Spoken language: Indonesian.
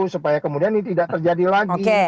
supaya kemudian ini tidak terjadi lagi